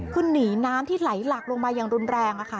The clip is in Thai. คือหนีน้ำที่ไหลหลักลงมาอย่างรุนแรง